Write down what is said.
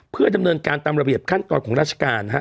เพื่อดำเนินการตามระเบียบขั้นตอนของราชการฮะ